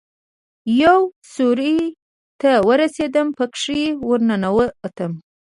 يوې سوړې ته ورسېدم پکښې ورننوتم.